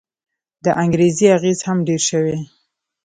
د انګرېزي اغېز هم ډېر شوی.